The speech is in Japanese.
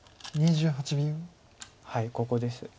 はいここです。